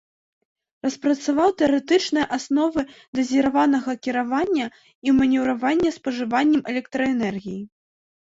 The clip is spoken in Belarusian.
Распрацаваў тэарэтычныя асновы дазіраванага кіравання і манеўравання спажываннем электраэнергіі.